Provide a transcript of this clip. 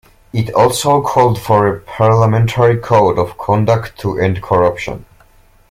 It also called for a parliamentary code of conduct to end corruption.